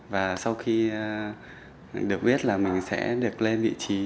và sau khi được biết là mình sẽ được lên vị trí